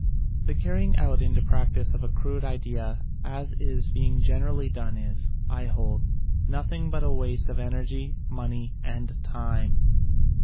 The carrying out into practise of a crude idea as is being generally done is, I hold, nothing but a waste of energy, money and time.